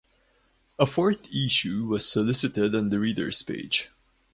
A fourth issue was solicited on the reader's page.